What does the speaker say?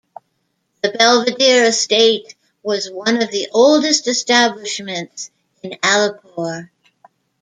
The Belvedere Estate was one of the oldest establishments in Alipore.